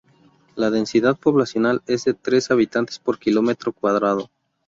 La densidad poblacional es de tres habitantes por kilómetro cuadrado.